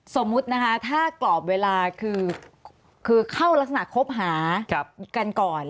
สมมุตินะคะถ้ากรอบเวลาคือเข้ารักษณะคบหากันก่อน